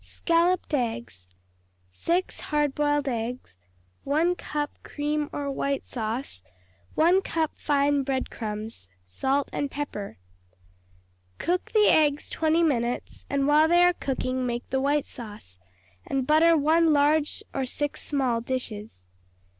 Scalloped Eggs 6 hard boiled eggs. 1 cup cream or white sauce. 1 cup fine bread crumbs. Salt and pepper. Cook the eggs twenty minutes, and while they are cooking make the white sauce, and butter one large or six small dishes.